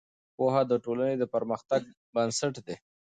پوهه د ټولنې د پرمختګ بنسټ دی.